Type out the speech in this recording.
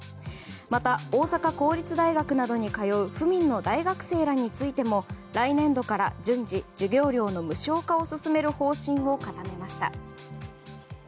また、大阪公立大学などに通う府民の大学生らについても来年度から順次授業料の無償化を進める方針を固めました。